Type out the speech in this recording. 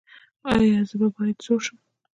ایا زه باید زوړ شم؟